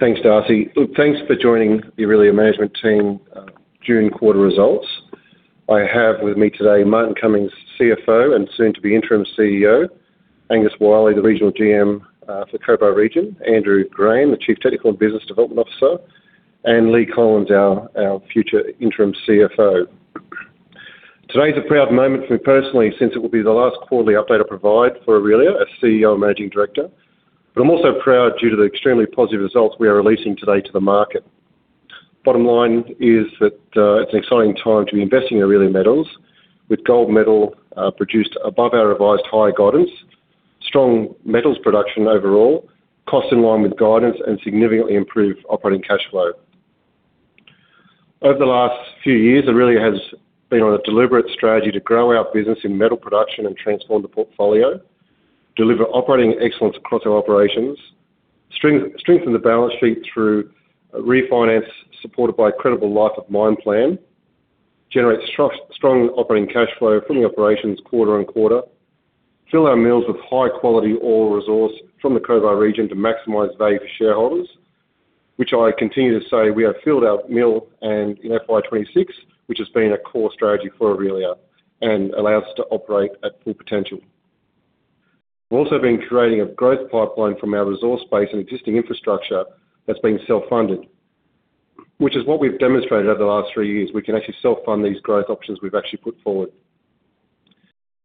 Thanks, Darcy. Look, thanks for joining the Aurelia Management Team, June quarter results. I have with me today Martin Cummings, CFO, and soon to be interim CEO, Angus Wyllie, the Regional GM, for Cobar region, Andrew Graham, the Chief Development and Technical Officer, and Leigh Collins, our future interim CFO. Today's a proud moment for me personally since it will be the last quarterly update I provide for Aurelia as CEO and Managing Director. I am also proud due to the extremely positive results we are releasing today to the market. Bottom line is that, it's an exciting time to be investing in Aurelia Metals with gold metal produced above our revised high guidance, strong metals production overall, cost in line with guidance, and significantly improved operating cash flow. Over the last few years, Aurelia has been on a deliberate strategy to grow our business in metal production and transform the portfolio, deliver operating excellence across our operations, strengthen the balance sheet through a refinance supported by a credible Life of Mine plan, generate strong operating cash flow from the operations quarter-on-quarter, fill our mills with high-quality ore resource from the Cobar region to maximize value for shareholders, which I continue to say, we have filled our mill and in FY 2026, which has been a core strategy for Aurelia and allow us to operate at full potential. We've also been creating a growth pipeline from our resource base and existing infrastructure that's been self-funded, which is what we've demonstrated over the last three years. We can actually self-fund these growth options we've actually put forward.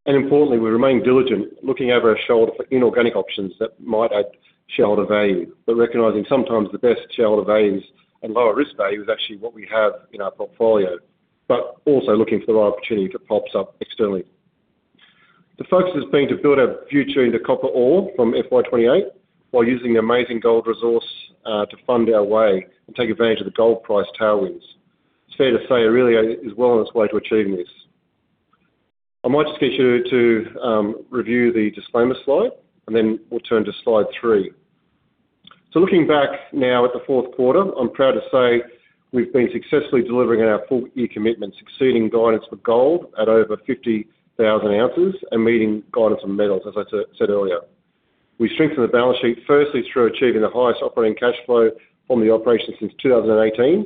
Importantly, we remain diligent looking over our shoulder for inorganic options that might add shareholder value. Recognizing sometimes the best shareholder values and lower risk value is actually what we have in our portfolio, but also looking for the right opportunity if it pops up externally. The focus has been to build our future into copper ore from FY 2028 while using the amazing gold resource, to fund our way and take advantage of the gold price tailwinds. It's fair to say Aurelia is well on its way to achieving this. I might just get you to review the disclaimer slide, and then we'll turn to slide three. Looking back now at the fourth quarter, I'm proud to say we've been successfully delivering on our full-year commitments, exceeding guidance for gold at over 50,000 ounces and meeting guidance on metals, as I said earlier. We strengthened the balance sheet firstly through achieving the highest operating cash flow from the operation since 2018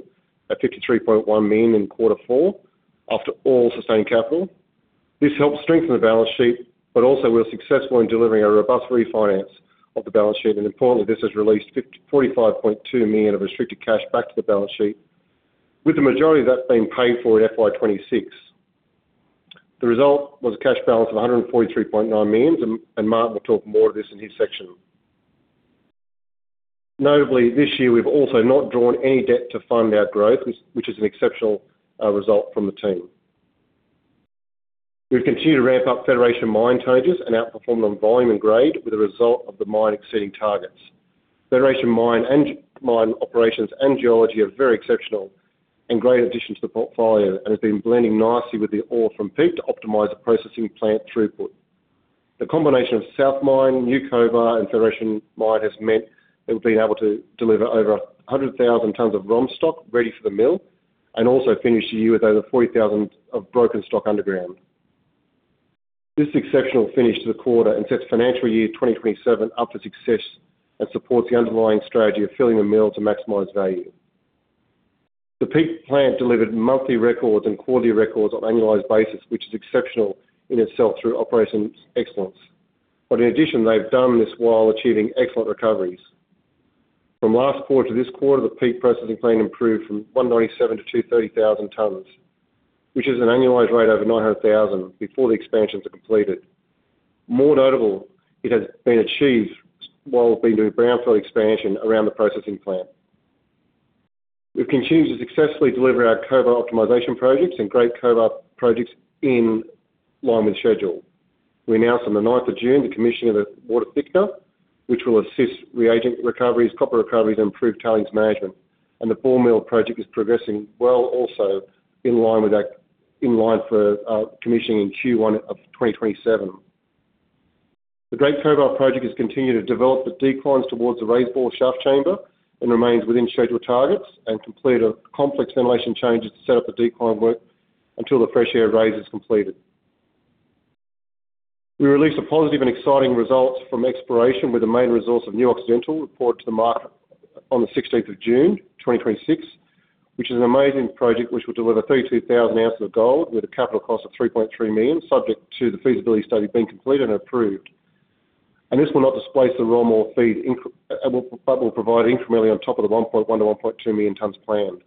at 53.1 million in quarter four after all sustained capital. This helped strengthen the balance sheet, but also we were successful in delivering a robust refinance of the balance sheet. Importantly, this has released 45.2 million of restricted cash back to the balance sheet, with the majority of that being paid for in FY 2026. The result was a cash balance of 143.9 million, and Martin will talk more of this in his section. Notably, this year, we've also not drawn any debt to fund our growth, which is an exceptional result from the team. We've continued to ramp up Federation Mine tonnages and outperform them volume and grade with a result of the mine exceeding targets. Federation Mine operations and geology are very exceptional and great addition to the portfolio and has been blending nicely with the ore from Peak to optimize the processing plant throughput. The combination of South Mine, New Cobar, and Federation Mine has meant that we've been able to deliver over 100,000 tonnes of ROM stock ready for the mill and also finish the year with over 40,000 of broken stock underground. This exceptional finish to the quarter sets FY 2027 up for success and supports the underlying strategy of filling the mill to maximize value. The Peak plant delivered monthly records and quarterly records on annualized basis, which is exceptional in itself through operations excellence. In addition, they've done this while achieving excellent recoveries. From last quarter to this quarter, the Peak processing plant improved from 197,000 to 230,000 tonnes, which is an annualized rate over 900,000 before the expansions are completed. More notable, it has been achieved while we've been doing brownfield expansion around the processing plant. We've continued to successfully deliver our Cobar optimization projects and Great Cobar projects in line with schedule. We announced on the 9th of June the commissioning of the water thickener, which will assist reagent recoveries, copper recoveries, and improved tailings management. The ball mill project is progressing well also in line for commissioning in Q1 2027. The Great Cobar project has continued to develop the declines towards the raisebore shaft chamber and remains within scheduled targets and completed complex ventilation changes to set up the decline work until the fresh air raise is completed. We released some positive and exciting results from exploration with the main resource of New Occidental reported to the market on the 16th of June 2026, which is an amazing project which will deliver 32,000 ounces of gold with a capital cost of 3.3 million, subject to the feasibility study being completed and approved. This will not displace the raw ore feed, but will provide incrementally on top of the 1.1 million-1.2 million tonnes planned.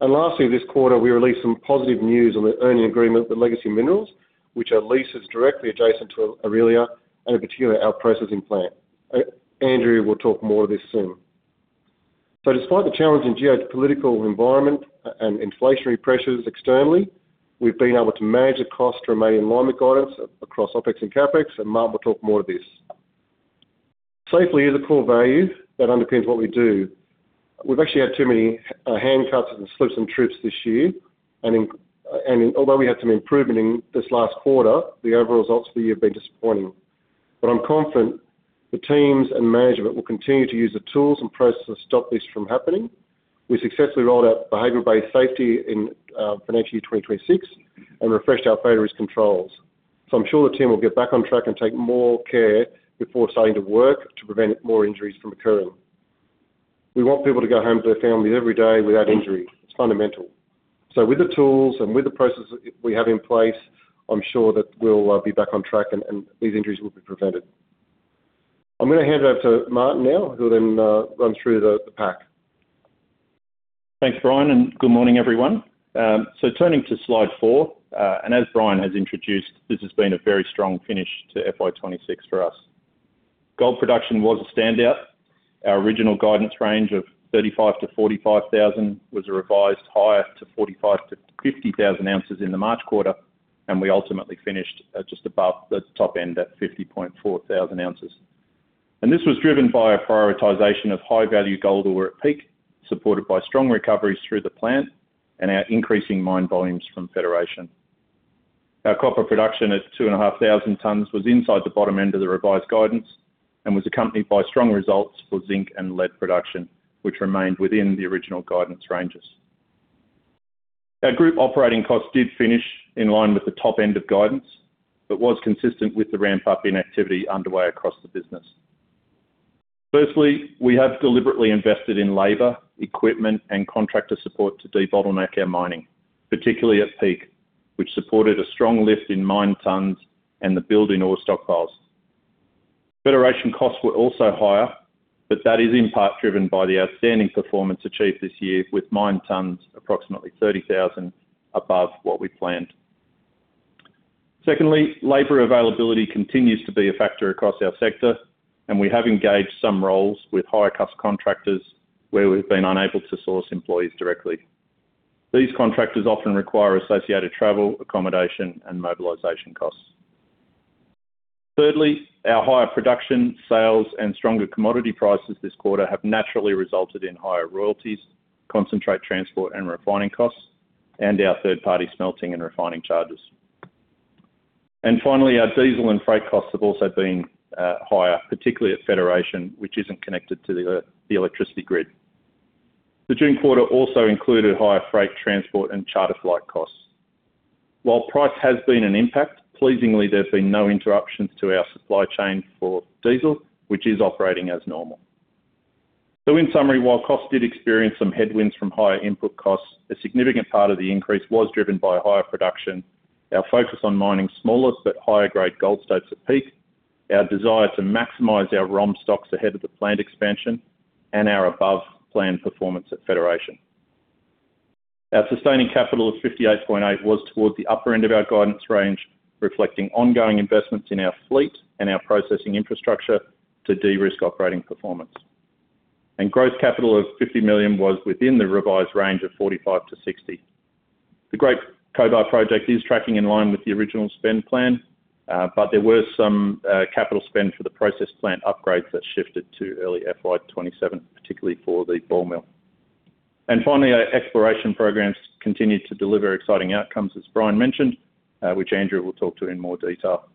Lastly, this quarter, we released some positive news on the earning agreement with Legacy Minerals, which are leases directly adjacent to Aurelia and in particular our processing plant. Andrew will talk more of this soon. Despite the challenging geopolitical environment and inflationary pressures externally, we've been able to manage the cost to remain in line with guidance across OpEx and CapEx. Martin will talk more to this. Safety is a core value that underpins what we do. We've actually had too many hand cuts and slips and trips this year. Although we had some improvement in this last quarter, the overall results for the year have been disappointing. I'm confident the teams and management will continue to use the tools and processes to stop this from happening. We successfully rolled out behavior-based safety in FY 2026 and refreshed our failures controls. I'm sure the team will get back on track and take more care before starting to work to prevent more injuries from occurring. We want people to go home to their families every day without injury. It's fundamental. With the tools and with the processes we have in place, I'm sure that we'll be back on track and these injuries will be prevented. I'm going to hand over to Martin now, who will then run through the pack. Thanks, Bryan, good morning, everyone. Turning to slide four, as Bryan has introduced, this has been a very strong finish to FY 2026 for us. Gold production was a standout. Our original guidance range of 35,000-45,000 was revised higher to 45,000-50,000 ounces in the March quarter, and we ultimately finished just above the top end at 50,400 ounces. This was driven by a prioritization of high-value gold ore at Peak, supported by strong recoveries through the plant and our increasing mine volumes from Federation. Our copper production at 2,500 tonnes was inside the bottom end of the revised guidance and was accompanied by strong results for zinc and lead production, which remained within the original guidance ranges. Our group operating costs did finish in line with the top end of guidance, was consistent with the ramp-up in activity underway across the business. Firstly, we have deliberately invested in labor, equipment, and contractor support to debottleneck our mining, particularly at Peak, which supported a strong lift in mined tonnes and the build in ore stockpiles. Federation costs were also higher, but that is in part driven by the outstanding performance achieved this year with mined tonnes approximately 30,000 above what we planned. Secondly, labor availability continues to be a factor across our sector, we have engaged some roles with higher-cost contractors where we've been unable to source employees directly. These contractors often require associated travel, accommodation, and mobilization costs. Thirdly, our higher production, sales, and stronger commodity prices this quarter have naturally resulted in higher royalties, concentrate transport and refining costs, and our third-party smelting and refining charges. Finally, our diesel and freight costs have also been higher, particularly at Federation, which isn't connected to the electricity grid. The June quarter also included higher freight transport and charter flight costs. While price has been an impact, pleasingly, there have been no interruptions to our supply chain for diesel, which is operating as normal. In summary, while costs did experience some headwinds from higher input costs, a significant part of the increase was driven by higher production, our focus on mining smaller but higher-grade gold stocks at Peak, our desire to maximize our ROM stocks ahead of the planned expansion, and our above-plan performance at Federation. Our sustaining capital of 58.8 million was towards the upper end of our guidance range, reflecting ongoing investments in our fleet and our processing infrastructure to de-risk operating performance. Gross capital of 50 million was within the revised range of 45 million-60 million. The Great Cobar Project is tracking in line with the original spend plan, there were some capital spend for the process plant upgrades that shifted to early FY 2027, particularly for the ball mill. Finally, our exploration programs continued to deliver exciting outcomes, as Bryan mentioned, which Andrew will talk to in more detail.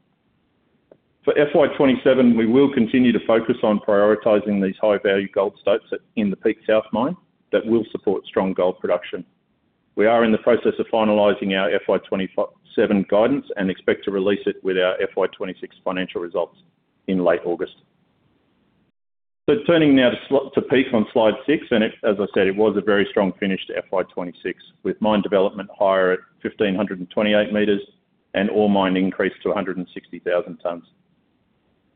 For FY 2027, we will continue to focus on prioritizing these high-value gold stocks in the Peak South Mine that will support strong gold production. We are in the process of finalizing our FY 2027 guidance and expect to release it with our FY 2026 financial results in late August. Turning now to Peak on slide six, as I said, it was a very strong finish to FY 2026, with mine development higher at 1,528 m and ore mined increased to 160,000 tonnes.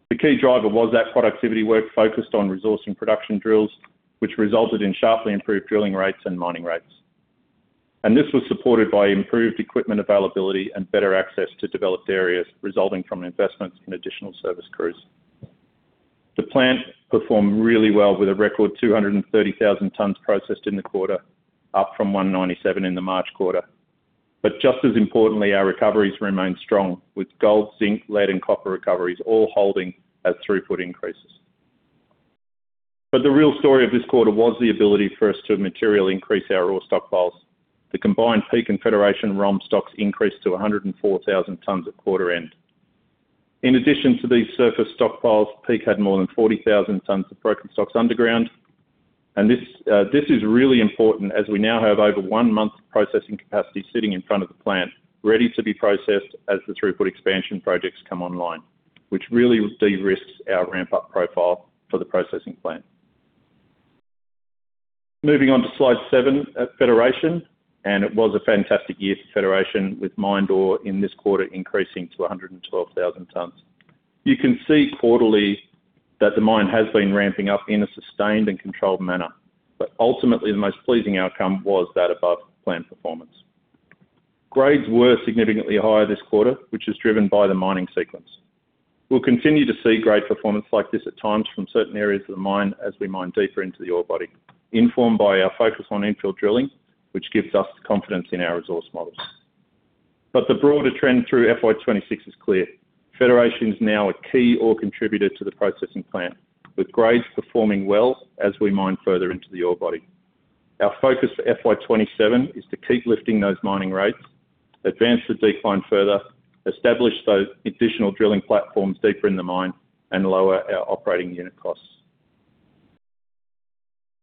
The key driver was that productivity work focused on resource and production drills, which resulted in sharply improved drilling rates and mining rates. This was supported by improved equipment availability and better access to developed areas resulting from investments in additional service crews. The plant performed really well with a record 230,000 tonnes processed in the quarter, up from 197,000 in the March quarter. Just as importantly, our recoveries remained strong, with gold, zinc, lead, and copper recoveries all holding at throughput increases. The real story of this quarter was the ability for us to materially increase our ore stockpiles. The combined Peak and Federation ROM stocks increased to 104,000 tonnes at quarter end. In addition to these surface stockpiles, Peak had more than 40,000 tonnes of broken stocks underground. This is really important as we now have over one month of processing capacity sitting in front of the plant, ready to be processed as the throughput expansion projects come online, which really de-risks our ramp-up profile for the processing plant. Moving on to slide seven at Federation, it was a fantastic year for Federation with mined ore in this quarter increasing to 112,000 tonnes. You can see quarterly that the mine has been ramping up in a sustained and controlled manner, ultimately, the most pleasing outcome was that above-plan performance. Grades were significantly higher this quarter, which is driven by the mining sequence. We'll continue to see great performance like this at times from certain areas of the mine as we mine deeper into the ore body, informed by our focus on infill drilling, which gives us confidence in our resource models. The broader trend through FY 2026 is clear. Federation is now a key ore contributor to the processing plant, with grades performing well as we mine further into the ore body. Our focus for FY 2027 is to keep lifting those mining rates, advance the decline further, establish those additional drilling platforms deeper in the mine, and lower our operating unit costs.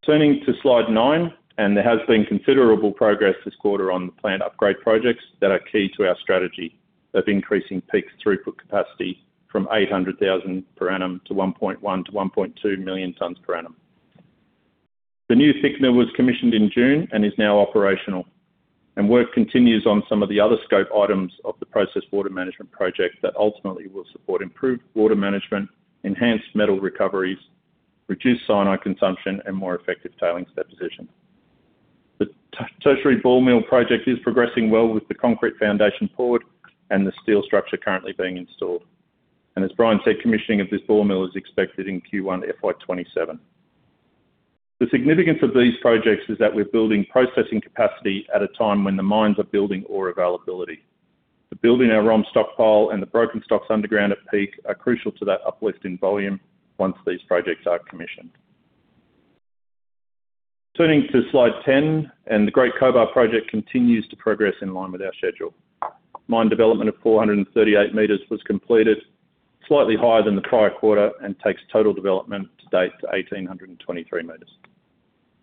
Turning to slide nine, there has been considerable progress this quarter on the plant upgrade projects that are key to our strategy of increasing peak throughput capacity from 800,000 per annum to 1.1 million-1.2 million tonnes per annum. The new thickener was commissioned in June and is now operational. Work continues on some of the other scope items of the process water management project that ultimately will support improved water management, enhanced metal recoveries, reduced cyanide consumption, and more effective tailings deposition. The tertiary ball mill project is progressing well with the concrete foundation poured and the steel structure currently being installed. As Bryan said, commissioning of this ball mill is expected in Q1 FY 2027. The significance of these projects is that we're building processing capacity at a time when the mines are building ore availability. The build in our ROM stockpile and the broken stocks underground at Peak are crucial to that uplift in volume once these projects are commissioned. Turning to slide 10. The Great Cobar project continues to progress in line with our schedule. Mine development of 438 m was completed, slightly higher than the prior quarter, and takes total development to date to 1823 m.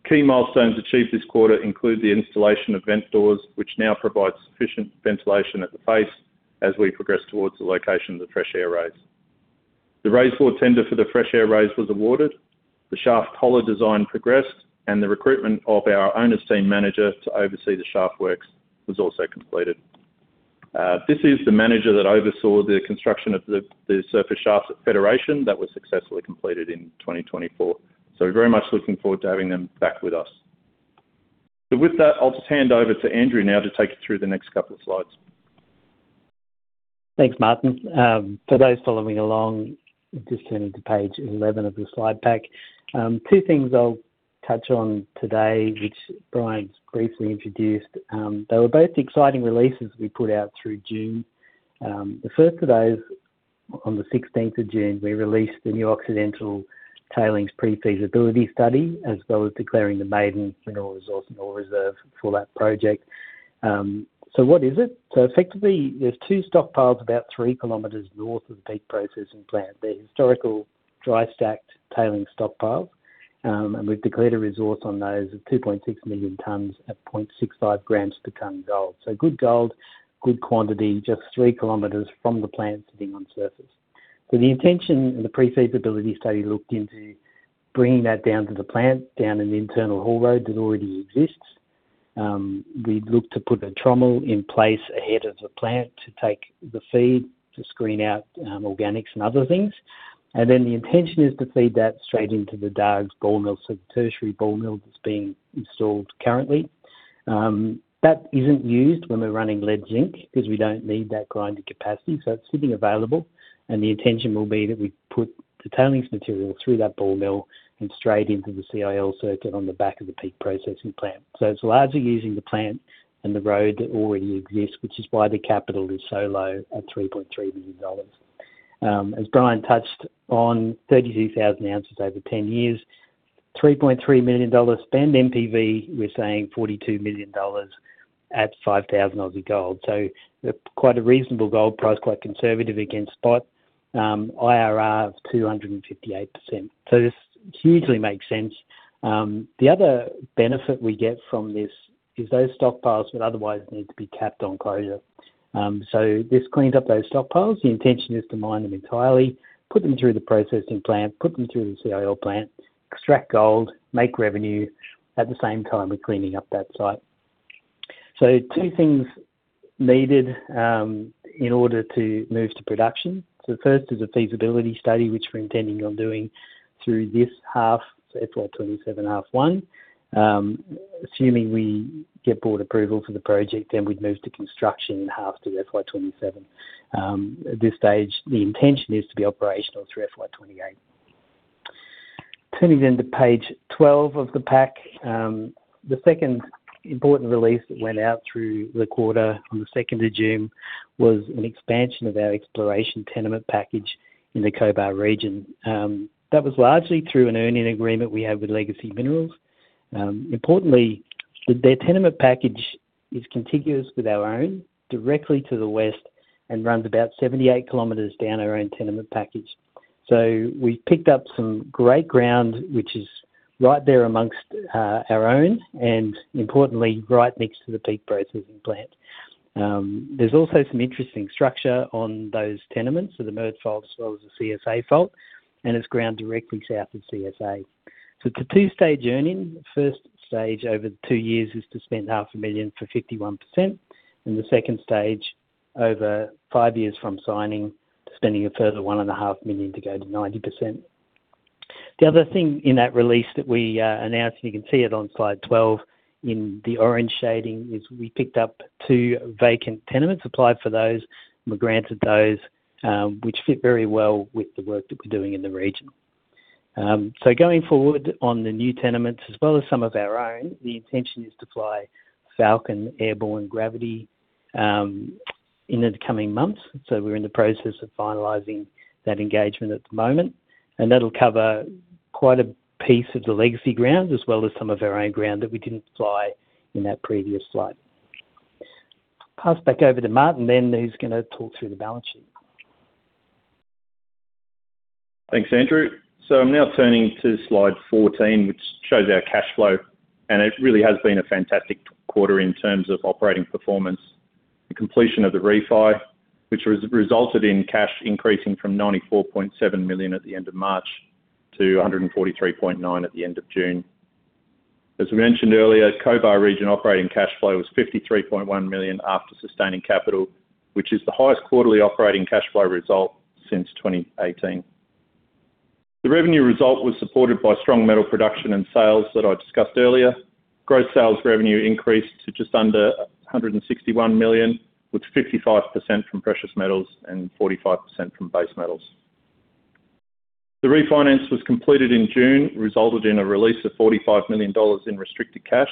Key milestones achieved this quarter include the installation of vent doors, which now provide sufficient ventilation at the face as we progress towards the location of the fresh air raise. The raise bore tender for the fresh air raise was awarded, the shaft collar design progressed, and the recruitment of our owner's team manager to oversee the shaft works was also completed. This is the manager that oversaw the construction of the surface shafts at Federation that was successfully completed in 2024. So we're very much looking forward to having them back with us. So with that, I'll just hand over to Andrew now to take you through the next couple of slides. Thanks, Martin. For those following along, just turning to page 11 of your slide pack. Two things I'll touch on today, which Bryan's briefly introduced. They were both exciting releases we put out through June. The first of those, on the 16th of June, we released the New Occidental Tailings Pre-Feasibility Study, as well as declaring the maiden mineral resource and ore reserve for that project. What is it? Effectively, there's two stockpiles about three kilometers north of the Peak processing plant. They're historical dry-stacked tailing stockpiles. We've declared a resource on those of 2.6 million tonnes at 0.65 g/tonne gold. Good gold, good quantity, just 3 km from the plant sitting on surface. The intention of the pre-feasibility study looked into bringing that down to the plant, down an internal haul road that already exists. We'd look to put a trommel in place ahead of the plant to take the feed to screen out organics and other things. Then the intention is to feed that straight into the Dargues ball mill, so the tertiary ball mill that's being installed currently. That isn't used when we're running lead zinc because we don't need that grinding capacity, so it's sitting available and the intention will be that we put the tailings material through that ball mill and straight into the CIL circuit on the back of the Peak processing plant. It's largely using the plant and the road that already exists, which is why the capital is so low at 3.3 million dollars. As Bryan touched on, 32,000 ounces over 10 years, 3.3 million dollars spend NPV, we're saying 42 million dollars at 5,000 Aussie gold. Quite a reasonable gold price, quite conservative against spot, IRR of 258%. This hugely makes sense. The other benefit we get from this is those stockpiles would otherwise need to be capped on closure. This cleans up those stockpiles. The intention is to mine them entirely, put them through the processing plant, put them through the CIL plant, extract gold, make revenue. At the same time, we're cleaning up that site. Two things needed in order to move to production. The first is a feasibility study, which we're intending on doing through this half, so FY 2027 half one. Assuming we get board approval for the project, then we'd move to construction in half two FY 2027. At this stage, the intention is to be operational through FY 2028. Turning to page 12 of the pack. The second important release that went out through the quarter on the 2nd of June was an expansion of our exploration tenement package in the Cobar region. That was largely through an earn-in agreement we have with Legacy Minerals. Importantly, their tenement package is contiguous with our own directly to the west and runs about 78 km down our own tenement package. We've picked up some great ground, which is right there amongst our own and importantly, right next to the Peak processing plant. There's also some interesting structure on those tenements, the Myrt Fault as well as the CSA Fault, and it's ground directly south of CSA. It's a two-stage earn-in. The first stage over two years is to spend 500,000 for 51%, and the second stage over five years from signing to spending a further 1.5 million to go to 90%. The other thing in that release that we announced, and you can see it on slide 12 in the orange shading, is we picked up two vacant tenements, applied for those, and were granted those, which fit very well with the work that we're doing in the region. Going forward on the new tenements as well as some of our own, the intention is to fly Falcon airborne gravity in the coming months. We're in the process of finalizing that engagement at the moment, and that'll cover quite a piece of the legacy ground as well as some of our own ground that we didn't fly in that previous slide. Pass back over to Martin, who's going to talk through the balance sheet Thanks, Andrew. I'm now turning to slide 14, which shows our cash flow, and it really has been a fantastic quarter in terms of operating performance. The completion of the refi, which has resulted in cash increasing from 94.7 million at the end of March to 143.9 million at the end of June. As we mentioned earlier, Cobar region operating cash flow was 53.1 million after sustaining capital, which is the highest quarterly operating cash flow result since 2018. The revenue result was supported by strong metal production and sales that I discussed earlier. Gross sales revenue increased to just under 161 million, with 55% from precious metals and 45% from base metals. The refinance was completed in June, resulted in a release of 45 million dollars in restricted cash.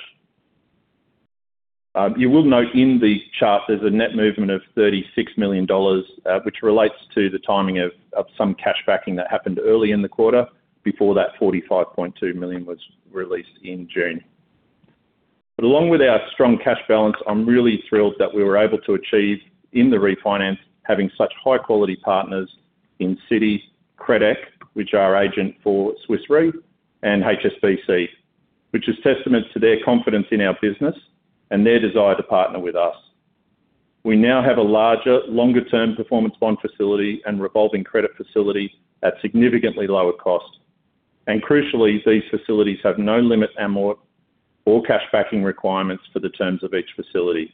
You will note in the chart there's a net movement of 36 million dollars, which relates to the timing of some cash backing that happened early in the quarter before that 45.2 million was released in June. But along with our strong cash balance, I'm really thrilled that we were able to achieve in the refinance having such high-quality partners in Citi, Credeq, which are our agent for Swiss Re, and HSBC, which is testament to their confidence in our business and their desire to partner with us. We now have a larger, longer-term performance bond facility and revolving credit facility at significantly lower cost. And crucially, these facilities have no limit or cash backing requirements for the terms of each facility.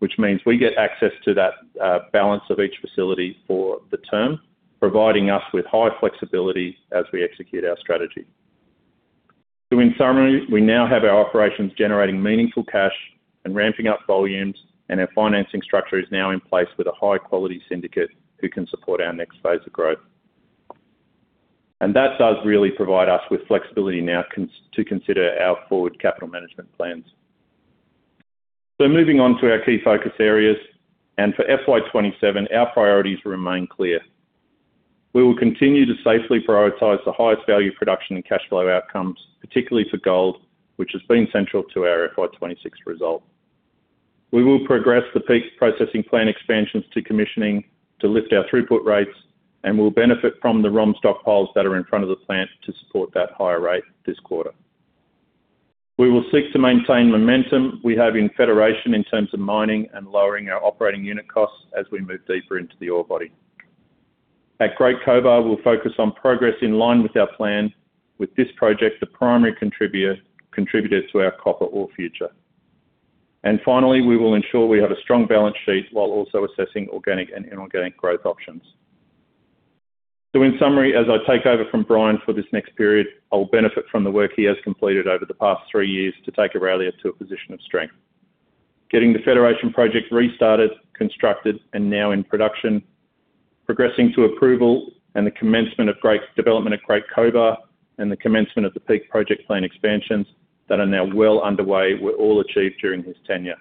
Which means we get access to that balance of each facility for the term, providing us with higher flexibility as we execute our strategy. In summary, we now have our operations generating meaningful cash and ramping up volumes, and our financing structure is now in place with a high-quality syndicate who can support our next phase of growth. That does really provide us with flexibility now to consider our forward capital management plans. Moving on to our key focus areas, for FY 2027, our priorities remain clear. We will continue to safely prioritize the highest value production and cash flow outcomes, particularly for gold, which has been central to our FY 2026 result. We will progress the Peak processing plant expansions to commissioning to lift our throughput rates, and we'll benefit from the ROM stockpiles that are in front of the plant to support that higher rate this quarter. We will seek to maintain momentum we have in Federation in terms of mining and lowering our operating unit costs as we move deeper into the ore body. At Great Cobar, we'll focus on progress in line with our plan, with this project the primary contributor to our copper ore future. Finally, we will ensure we have a strong balance sheet while also assessing organic and inorganic growth options. In summary, as I take over from Bryan for this next period, I'll benefit from the work he has completed over the past three years to take Aurelia to a position of strength. Getting the Federation project restarted, constructed, and now in production, progressing to approval and the commencement of development at Great Cobar, and the commencement of the Peak project plan expansions that are now well underway were all achieved during his tenure.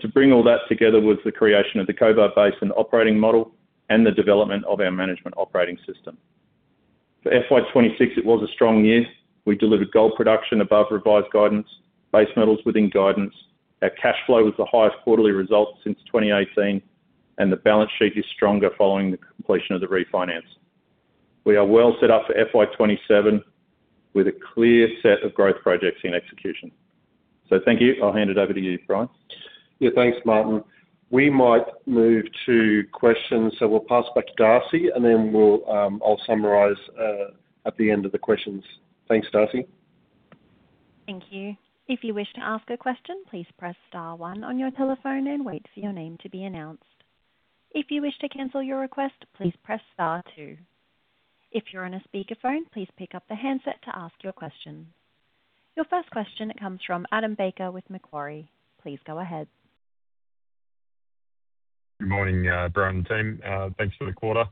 To bring all that together was the creation of the Cobar Basin Operating Model and the development of our Management Operating System. For FY 2026, it was a strong year. We delivered gold production above revised guidance, base metals within guidance. Our cash flow was the highest quarterly result since 2018, and the balance sheet is stronger following the completion of the refinance. We are well set up for FY 2027 with a clear set of growth projects in execution. Thank you. I will hand it over to you, Bryan. Yeah, thanks, Martin. We might move to questions. We will pass back to Darcy, and then I will summarize at the end of the questions. Thanks, Darcy. Thank you. If you wish to ask a question, please press star one on your telephone and wait for your name to be announced. If you wish to cancel your request, please press star two. If you are on a speakerphone, please pick up the handset to ask your question. Your first question comes from Adam Baker with Macquarie. Please go ahead. Good morning, Bryan and team. Thanks for the quarter.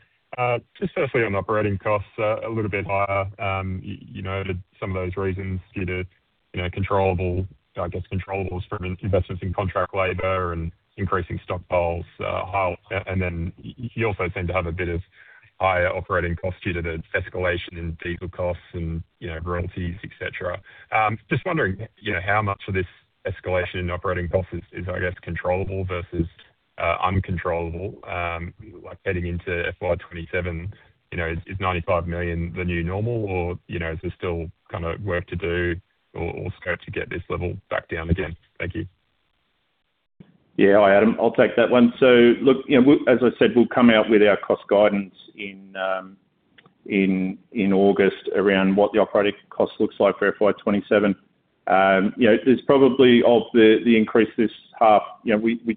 Just firstly, on operating costs are a little bit higher. You noted some of those reasons due to controllables from investments in contract labor and increasing stockpiles. Then you also seem to have a bit of higher operating costs due to the escalation in diesel costs and royalties, et cetera. Just wondering how much of this escalation in operating costs is controllable versus uncontrollable? Heading into FY 2027, is 95 million the new normal or is there still work to do or scope to get this level back down again? Thank you. Yeah. Hi, Adam. I'll take that one. Look, as I said, we'll come out with our cost guidance in August around what the operating cost looks like for FY 2027. Of the increase this quarter, we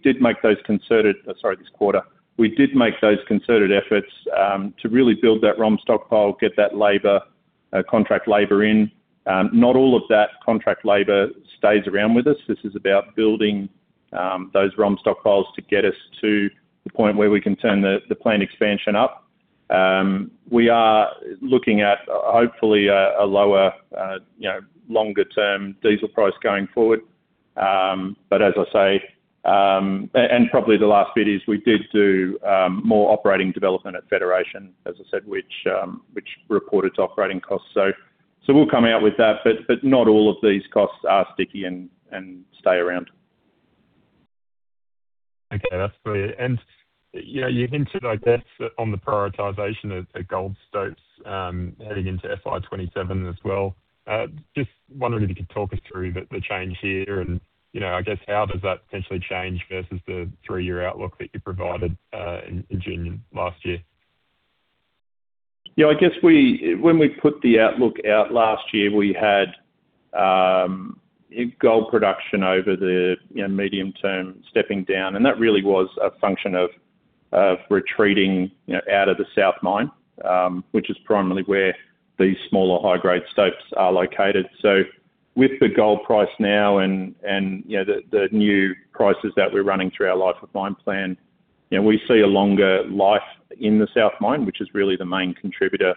did make those concerted efforts to really build that ROM stockpile, get that contract labor in. Not all of that contract labor stays around with us. This is about building those ROM stockpiles to get us to the point where we can turn the plant expansion up. We are looking at, hopefully, a lower longer-term diesel price going forward. Probably the last bit is we did do more operating development at Federation, as I said, which reported operating costs. We'll come out with that. Not all of these costs are sticky and stay around. Okay, that's clear. You hinted, I guess, on the prioritization of gold stopes heading into FY 2027 as well. Just wondering if you could talk us through the change here and, I guess, how does that potentially change versus the three-year outlook that you provided in June last year? Yeah, I guess when we put the outlook out last year, we had gold production over the medium term stepping down, and that really was a function of retreating out of the South Mine, which is primarily where these smaller high-grade stopes are located. With the gold price now and the new prices that we're running through our Life of Mine plan, we see a longer life in the South Mine, which is really the main contributor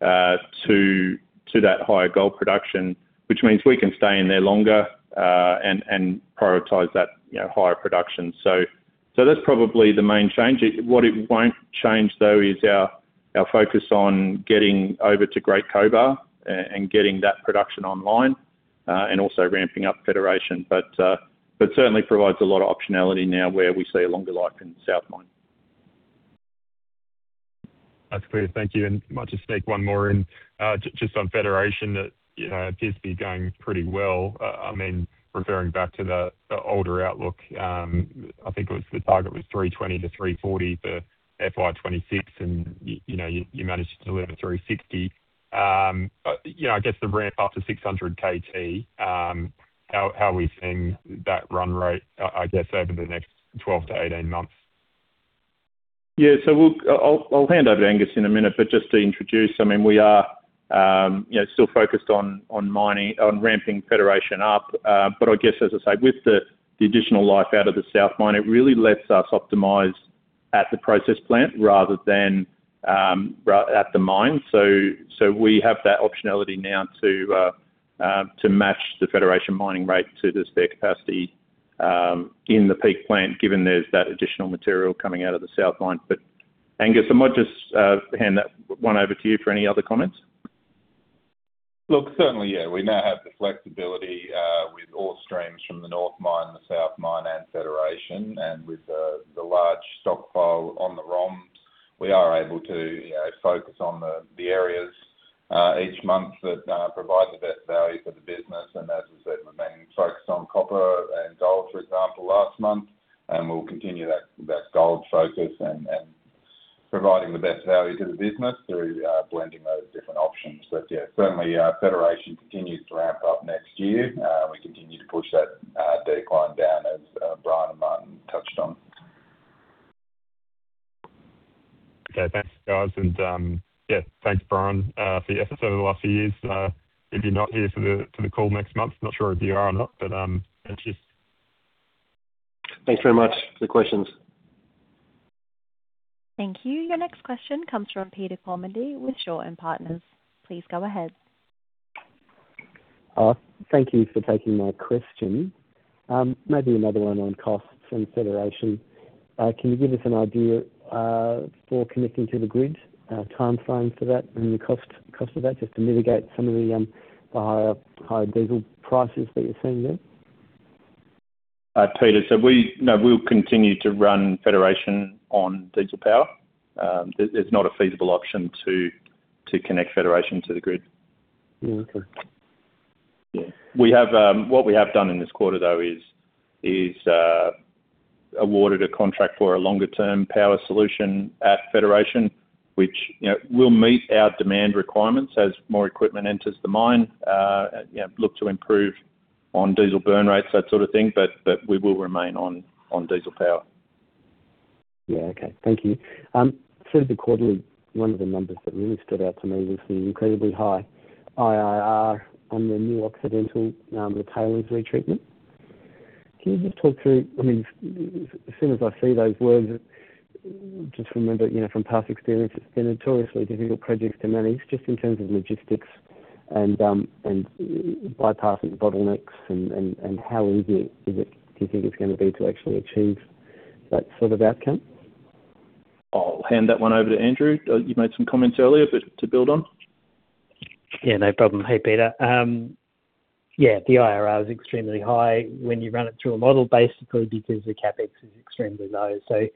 to that higher gold production, which means we can stay in there longer and prioritize that higher production. That's probably the main change. What it won't change, though, is our focus on getting over to Great Cobar and getting that production online, also ramping up Federation. Certainly provides a lot of optionality now where we see a longer life in South Mine. That's clear. Thank you. Might just sneak one more in, just on Federation that appears to be going pretty well. Referring back to the older outlook, I think the target was 320-340 for FY 2026, and you managed to deliver 360. I guess the ramp up to 600kt, how are we seeing that run rate, I guess, over the next 12-18 months? I'll hand over to Angus in a minute, just to introduce, we are still focused on ramping Federation up. I guess, as I say, with the additional life out of the South Mine, it really lets us optimize at the process plant rather than at the mine. We have that optionality now to match the Federation mining rate to the spare capacity in the Peak plant, given there's that additional material coming out of the South Mine. Angus, I might just hand that one over to you for any other comments. Certainly. We now have the flexibility with ore streams from the North Mine, the South Mine, and Federation. With the large stockpile on the ROMs, we are able to focus on the areas each month that provide the best value for the business. As I said, we're being focused on copper and gold, for example, last month. We'll continue that gold focus and providing the best value to the business through blending those different options. Certainly, Federation continues to ramp up next year. We continue to push that decline down as Bryan and Martin touched on. Thanks, guys. Thanks, Bryan, for your efforts over the last few years. If you're not here for the call next month, not sure if you are or not, cheers. Thanks very much for the questions. Thank you. Your next question comes from Peter Kormendy with Shaw and Partners. Please go ahead. Thank you for taking my question. Maybe another one on costs and Federation. Can you give us an idea for connecting to the grid, timeframe for that and the cost of that just to mitigate some of the higher diesel prices that you're seeing there? Peter, we'll continue to run Federation on diesel power. It's not a feasible option to connect Federation to the grid. Okay. What we have done in this quarter, though, is awarded a contract for a longer-term power solution at Federation, which will meet our demand requirements as more equipment enters the mine, look to improve on diesel burn rates, that sort of thing, but we will remain on diesel power. Yeah, okay. Thank you. Through the quarterly, one of the numbers that really stood out to me was the incredibly high IRR on the New Occidental Tailings Pre-Feasibility Study. Can you just talk through, as soon as I see those words, just remember from past experience, it's been a notoriously difficult project to manage just in terms of logistics and bypassing the bottlenecks and how easy do you think it's going to be to actually achieve that sort of outcome? I'll hand that one over to Andrew. You made some comments earlier to build on. No problem. Hey, Peter. The IRR is extremely high when you run it through a model, basically because the CapEx is extremely low. The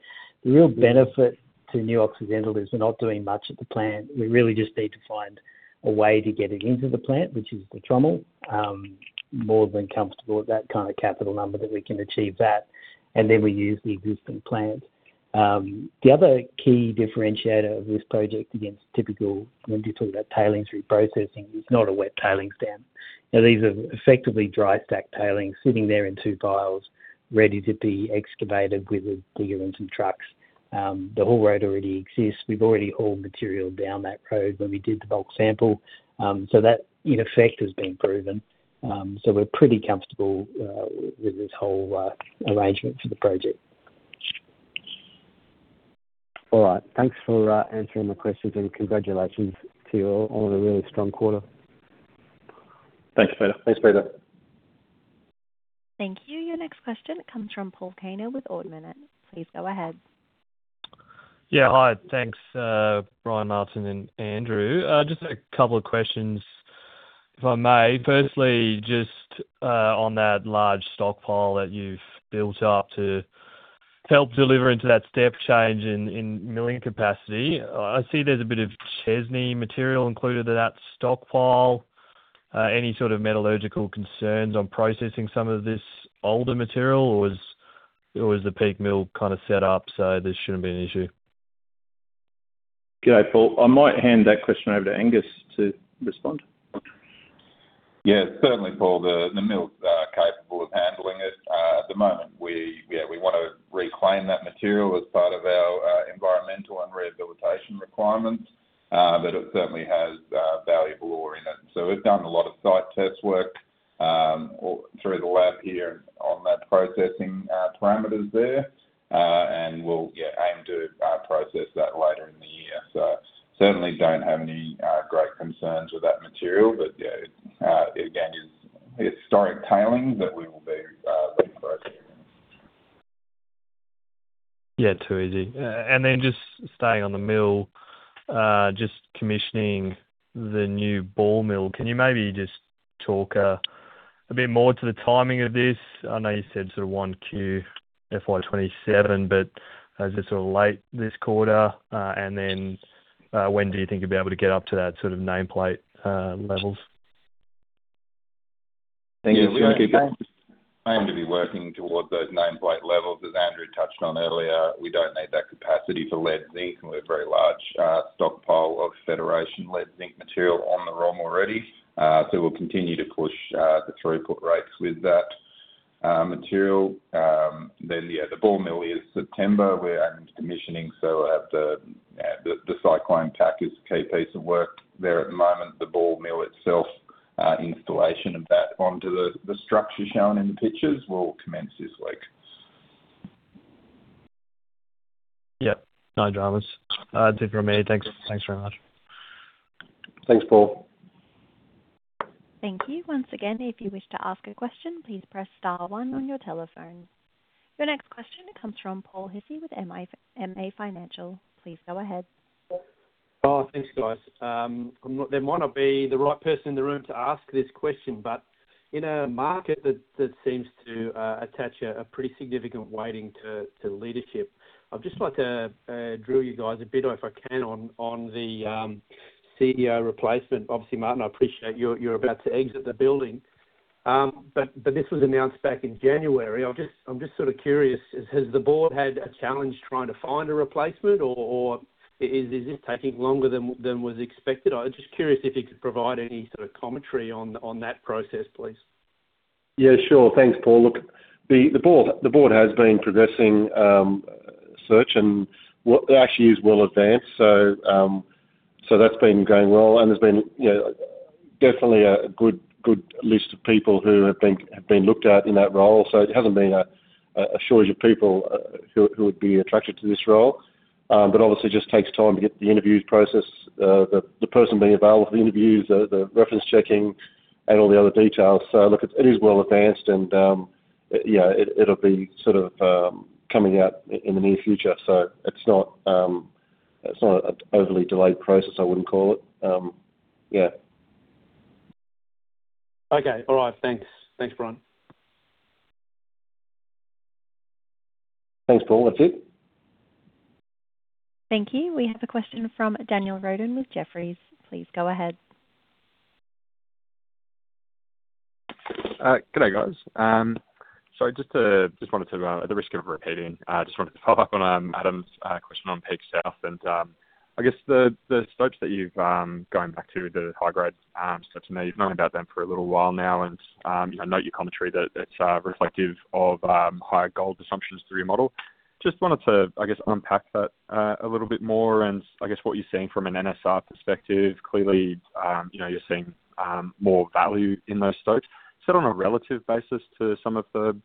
real benefit to New Occidental is we're not doing much at the plant. We really just need to find a way to get it into the plant, which is the trommel. More than comfortable at that kind of capital number that we can achieve that, and then we use the existing plant. The other key differentiator of this project against typical, when you're talking about tailings reprocessing, is not a wet tailings dam. These are effectively dry stack tailings sitting there in two piles ready to be excavated with a digger and some trucks. The haul road already exists. We've already hauled material down that road when we did the bulk sample. That in effect has been proven. We're pretty comfortable with this whole arrangement for the project. All right. Thanks for answering my questions, and congratulations to you all on a really strong quarter. Thanks, Peter. Thanks, Peter. Thank you. Your next question comes from Paul Kaner with Ord Minnett. Please go ahead. Hi. Thanks, Bryan, Martin, and Andrew. Just a couple of questions if I may. Firstly, just on that large stockpile that you've built up to help deliver into that step change in milling capacity. I see there's a bit of Chesney material included in that stockpile. Any sort of metallurgical concerns on processing some of this older material, or is the Peak Mill set up so this shouldn't be an issue? G'day, Paul. I might hand that question over to Angus to respond. Certainly, Paul, the mill's capable of handling it. At the moment, we want to reclaim that material as part of our environmental and rehabilitation requirements, it certainly has valuable ore in it. We've done a lot of site test work through the lab here on that processing parameters there. We'll aim to process that later in the year. Certainly don't have any great concerns with that material. yeah, again, it's historic tailings that we will be processing. Too easy. Just staying on the mill, just commissioning the new ball mill. Can you maybe just talk a bit more to the timing of this? I know you said sort of 1Q FY 2027, is it late this quarter? Then, when do you think you'll be able to get up to that nameplate levels? Thank you. We aim to be working towards those nameplate levels. As Andrew touched on earlier, we don't need that capacity for lead zinc, and we have a very large stockpile of Federation lead zinc material on the ROM already. We'll continue to push the throughput rates with that material. The ball mill is September. We're aiming to commissioning, so the cyclone pack is a key piece of work there at the moment. The ball mill itself, installation of that onto the structure shown in the pictures will commence this week. Yep. No dramas. That's it from me. Thanks. Thanks very much. Thanks, Paul. Thank you. Once again, if you wish to ask a question, please press star one on your telephone. Your next question comes from Paul Hissey with MA Financial. Please go ahead. Thanks, guys. There might not be the right person in the room to ask this question, but in a market that seems to attach a pretty significant weighting to leadership, I'd just like to drill you guys a bit, if I can, on the CEO replacement. Obviously, Martin, I appreciate you're about to exit the building, but this was announced back in January. I'm just sort of curious, has the board had a challenge trying to find a replacement, or is this taking longer than was expected? I was just curious if you could provide any sort of commentary on that process, please. Sure. Thanks, Paul. Look, the board has been progressing search and actually is well advanced. That's been going well, and there's been definitely a good list of people who have been looked at in that role. Obviously, it just takes time to get the interviews process, the person being available for the interviews, the reference checking, and all the other details. Look, it is well advanced and it'll be coming out in the near future. It's not an overly delayed process, I wouldn't call it. Thanks. Thanks, Bryan. Thanks, Paul. That's it. Thank you. We have a question from Daniel Roden with Jefferies. Please go ahead. G'day, guys. Sorry, at the risk of repeating, just wanted to follow up on Adam's question on Peak South. I guess the stopes that you've gone back to, the high-grade stopes, I know you've known about them for a little while now, and I know your commentary that it's reflective of higher gold assumptions through your model. Just wanted to, I guess, unpack that a little bit more and I guess what you're seeing from an NSR perspective. Clearly, you're seeing more value in those stopes. Is that on a relative basis to some of the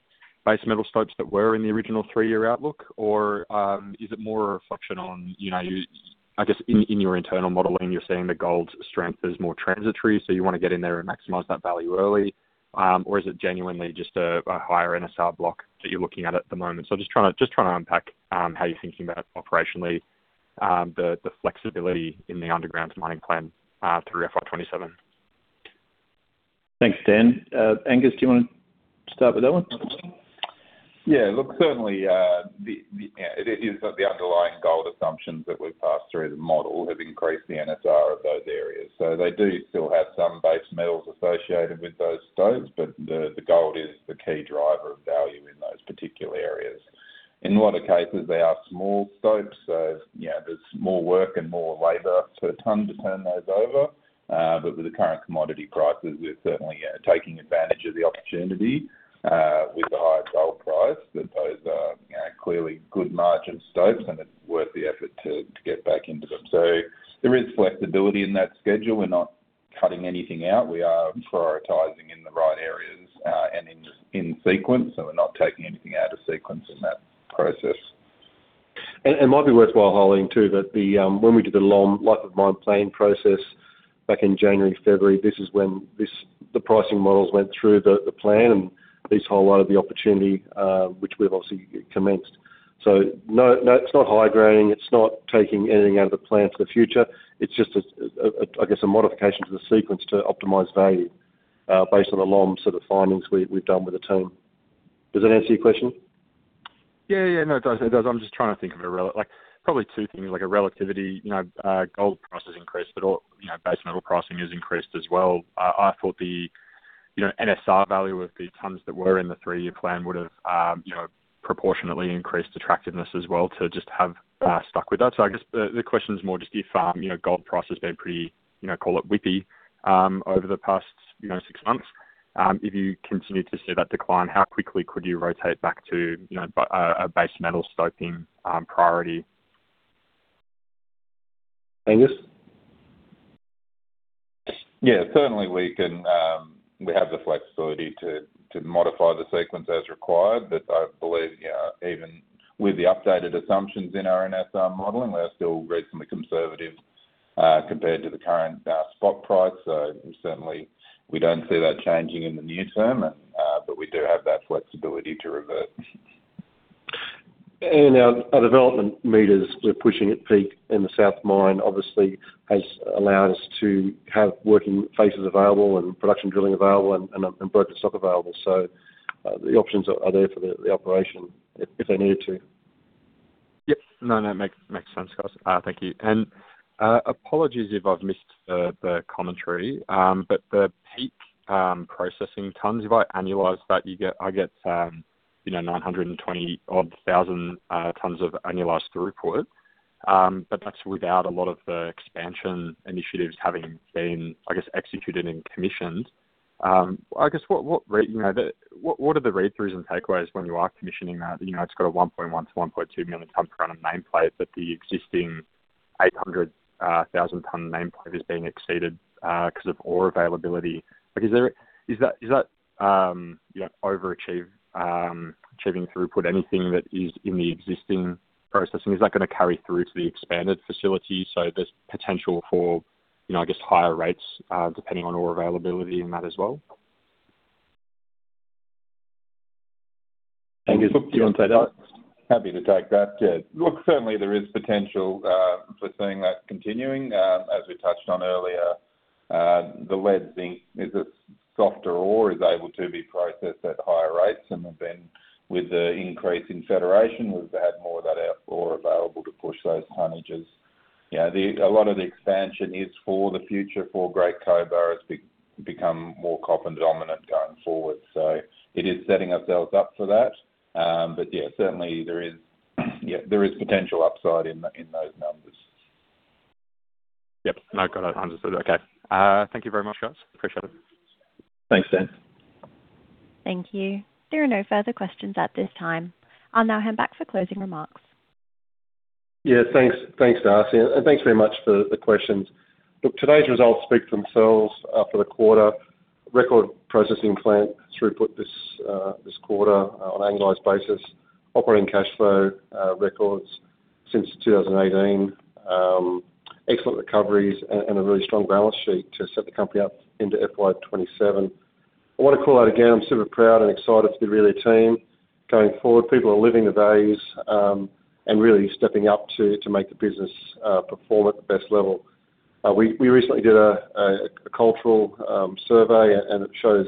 base metal stopes that were in the original three-year outlook? Is it more a reflection on, I guess, in your internal modeling, you're seeing the gold strength is more transitory, so you want to get in there and maximize that value early? Is it genuinely just a higher NSR block that you're looking at at the moment? Just trying to unpack how you're thinking about operationally, the flexibility in the underground mining plan through FY 2027. Thanks, Dan. Angus, do you want to start with that one? Yeah, look, certainly, it is the underlying gold assumptions that we've passed through the model have increased the NSR of those areas. They do still have some base metals associated with those stopes, but the gold is the key driver of value in those particular areas. In a lot of cases, they are small stopes. There's more work and more labor to tonne to turn those over. With the current commodity prices, we're certainly taking advantage of the opportunity, with the high gold price, that those are clearly good margin stopes and it's worth the effort to get back into them. There is flexibility in that schedule. We're not cutting anything out. We are prioritizing in the right areas, and in sequence, so we're not taking anything out of sequence in that process. It might be worthwhile [hauling] too, that when we did the long Life of Mine plan process back in January, February, this is when the pricing models went through the plan, and this highlighted the opportunity, which we've obviously commenced. No, it's not high-grading, it's not taking anything out of the plan for the future. It's just a, I guess, a modification to the sequence to optimize value, based on the LOM sort of findings we've done with the team. Does that answer your question? Yeah. No, it does. I'm just trying to think of it like, probably two things, like a relativity, gold prices increased, but all base metal pricing has increased as well. I thought the NSR value of the tonnes that were in the three-year plan would have, proportionately increased attractiveness as well to just have stuck with that. I guess the question is more just if gold price has been pretty, call it whippy, over the past six months, if you continue to see that decline, how quickly could you rotate back to a base metal scoping priority? Angus? Yeah, certainly we have the flexibility to modify the sequence as required. I believe, even with the updated assumptions in our NSR modeling, we are still reasonably conservative, compared to the current spot price. Certainly we don't see that changing in the near term, but we do have that flexibility to revert. Our development meters, we're pushing at Peak in the South Mine, obviously has allowed us to have working faces available and production drilling available and, breadth of stock available. The options are there for the operation if they needed to. Yep. No, that makes sense, guys. Thank you. Apologies if I've missed the commentary, the Peak processing tonnes, if I annualize that, I get 920,000-odd tonnes of annualized throughput. That's without a lot of the expansion initiatives having been, I guess, executed and commissioned. I guess, what are the read-throughs and takeaways when you are commissioning that? It's got a 1.1 million-1.2 million tonne per annum nameplate, but the existing 800,000 tonne nameplate is being exceeded, because of ore availability. Like, is that overachieving throughput anything that is in the existing processing? Is that going to carry through to the expanded facility, so there's potential for, I guess, higher rates, depending on ore availability in that as well? Angus, do you want to take that? Happy to take that. Certainly there is potential for seeing that continuing. As we touched on earlier, the lead zinc is a softer ore, is able to be processed at higher rates. Then with the increase in Federation, we've had more of that ore available to push those tonnages. A lot of the expansion is for the future, for Great Cobar to become more copper-dominant going forward. It is setting ourselves up for that. Certainly there is potential upside in those numbers. Got it. Understood. Thank you very much, guys. Appreciate it. Thanks, Dan. Thank you. There are no further questions at this time. I'll now hand back for closing remarks. Thanks, Darcy, and thanks very much for the questions. Today's results speak for themselves for the quarter. Record processing plant throughput this quarter on an annualized basis. Operating cash flow records since 2018. Excellent recoveries and a really strong balance sheet to set the company up into FY 2027. I want to call out again, I am super proud and excited for the Aurelia team going forward. People are living the values, and really stepping up to make the business perform at the best level. We recently did a cultural survey, and it shows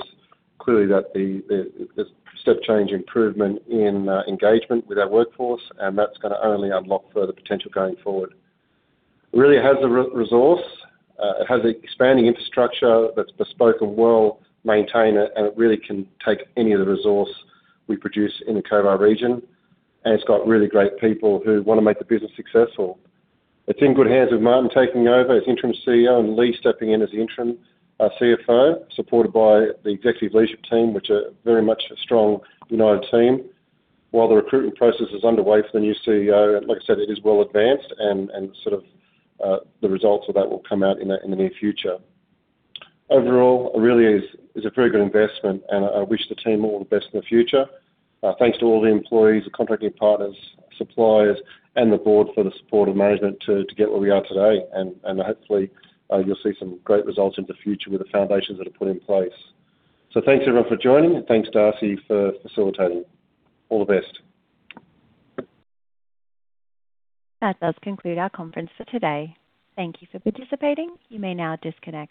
clearly that there is step change improvement in engagement with our workforce, and that is going to only unlock further potential going forward. Aurelia has the resource, it has the expanding infrastructure that is bespoken well, maintained, and it really can take any of the resource we produce in the Cobar region. It has got really great people who want to make the business successful. It is in good hands with Martin taking over as interim CEO and Leigh stepping in as the interim CFO, supported by the executive leadership team, which are very much a strong united team. While the recruitment process is underway for the new CEO, like I said, it is well advanced, and the results of that will come out in the near future. Overall, Aurelia is a very good investment, and I wish the team all the best in the future. Thanks to all the employees, the contracting partners, suppliers and the board for the support of management to get where we are today. Hopefully, you will see some great results in the future with the foundations that are put in place. Thanks everyone for joining. Thanks, Darcy, for facilitating. All the best. That does conclude our conference for today. Thank you for participating. You may now disconnect.